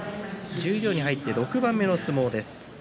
十両に入って６番目の相撲です。